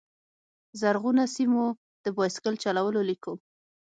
زرغونو سیمو، د بایسکل چلولو لیکو